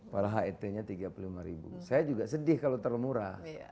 padahal het nya tiga puluh lima ribu saya juga sedih kalau terlalu murah